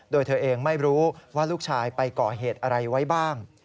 โดยเธอเองไม่รู้ว่าลูกชายไปก่อเหตุอะไรไว้บ้าง